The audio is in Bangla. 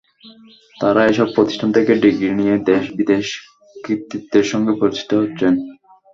তাঁরা এসব প্রতিষ্ঠান থেকে ডিগ্রি নিয়ে দেশ-বিদেশে কৃতিত্বের সঙ্গে প্রতিষ্ঠিত হচ্ছেন।